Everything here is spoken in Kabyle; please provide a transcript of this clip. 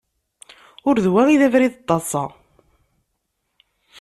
Ur d wa i d abrid n taḍsa.